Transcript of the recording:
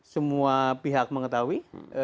semua pihak mengetahui